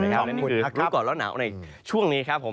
และนี่คือรู้ก่อนร้อนหนาวในช่วงนี้ครับผม